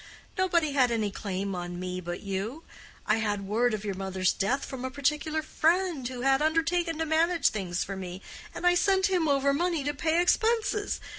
Nobody had any claim on me but you. I had word of your mother's death from a particular friend, who had undertaken to manage things for me, and I sent him over money to pay expenses.